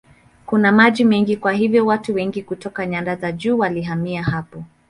Kuna maji mengi kwa hiyo watu wengi kutoka nyanda za juu walihamia hapa.